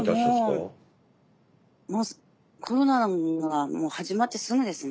もうコロナがもう始まってすぐですね。